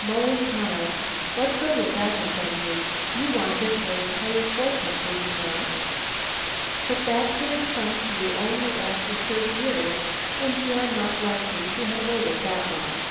Muller smiled. "What good would that have done you? You wanted her entire fortune, did you not? But that could have come to you only after thirty years, and you are not likely to have waited that long.